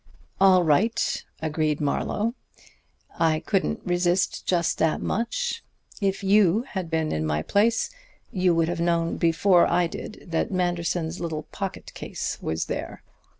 "All right," agreed Marlowe. "I couldn't resist just that much. If you had been in my place you would have known before I did that Manderson's little pocket case was there.